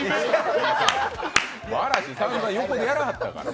嵐、さんざん横でやらはったから。